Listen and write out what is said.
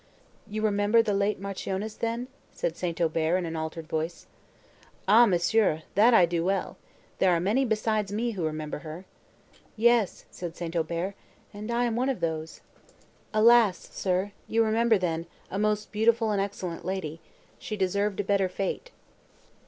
"You remember the late marchioness, then?" said St. Aubert in an altered voice. "Ah, monsieur!—that I do well. There are many besides me who remember her." "Yes—" said St. Aubert, "and I am one of those." "Alas, sir! you remember, then, a most beautiful and excellent lady. She deserved a better fate."